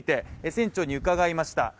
船長に伺いました。